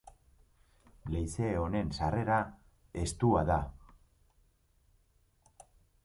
Leize honen sarrera, estua da.